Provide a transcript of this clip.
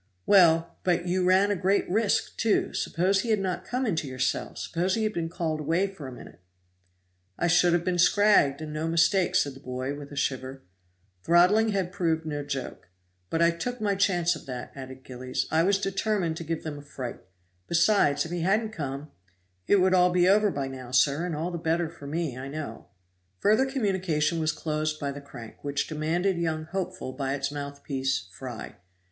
"Well! but you ran a great risk, too. Suppose he had not come into your cell suppose he had been called away for a minute." "I should have been scragged, and no mistake," said the boy, with a shiver. Throttling had proved no joke. "But I took my chance of that," added Gillies. "I was determined to give them a fright; besides, if he hadn't come, it would all be over by now, sir, and all the better for me, I know." Further communication was closed by the crank, which demanded young Hopeful by its mouthpiece, Fry.